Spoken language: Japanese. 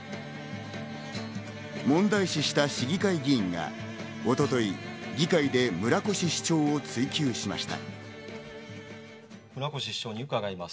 問題視した市議会議員が一昨日、議会で村越市長を追及しました。